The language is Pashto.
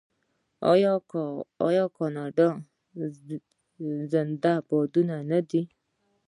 آیا کاناډا زنده باد نه دی؟